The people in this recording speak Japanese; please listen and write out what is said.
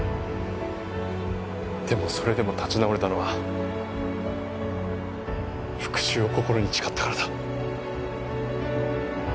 でもそれでも立ち直れたのは復讐を心に誓ったからだ。